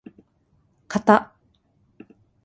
かた